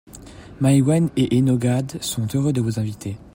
Maiwenn et Enogad sont heureux de vous inviter.